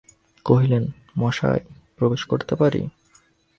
কহিলেন, মশায়, প্রবেশ করতে পারি?